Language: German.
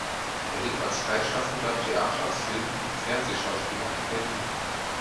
Er lebt als freischaffender Theater-, Film- und Fernsehschauspieler in Berlin.